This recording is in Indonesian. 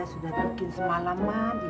khusus untuk ibu ibu jangan beli yang ganteng